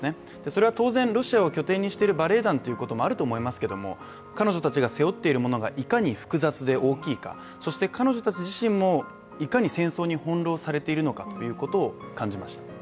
それは当然、ロシアを拠点にしているバレエ団だということもあると思いますけど彼女たちが背負っているものがいかに複雑で大きいかそして彼女たち自身もいかに戦争に翻弄されているのかということを感じました。